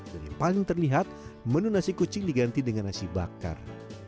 dan yang paling terlihat menu nasi kucing diganti dengan nasi bakar